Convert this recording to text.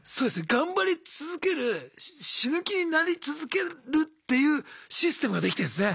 頑張り続ける死ぬ気になり続けるっていうシステムができてるんですね。